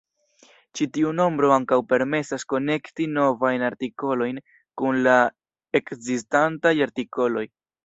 Ĉi tiu nombro ankaŭ permesas konekti novajn artikolojn kun la ekzistantaj artikoloj.